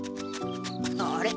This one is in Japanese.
あれ？